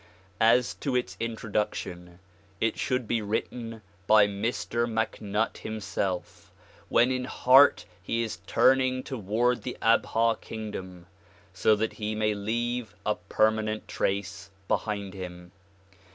As to its Introduction, it should be written by Mr. MacNutt himself when in heart he is turning toward the Abha kingdom, so that he may leave a permanent trace behind him.